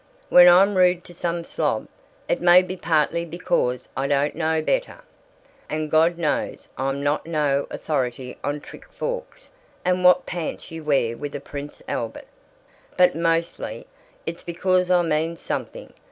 When I'm rude to some slob, it may be partly because I don't know better (and God knows I'm not no authority on trick forks and what pants you wear with a Prince Albert), but mostly it's because I mean something.